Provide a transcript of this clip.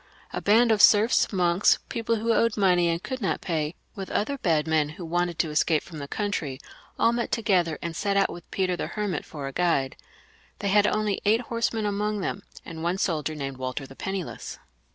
A band of serfs, monks, people who owed money and could not pay, with other bad men who wanted to escape from the country, all met together and set out with Peter the Hermit for a guide. They had only eight horse men among them, and one soldier named Walter the Penni less.